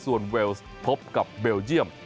ส่วนเวลส์พบกับเบลเยี่ยม